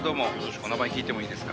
お名前聞いてもいいですか？